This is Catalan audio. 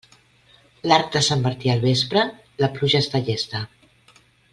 L'arc de Sant Martí al vespre, la pluja està llesta.